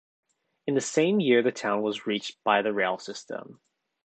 In the same year the town was reached by the rail system.